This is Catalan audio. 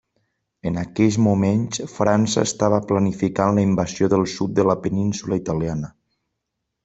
En aquells moments França estava planificant la invasió del sud de la península italiana.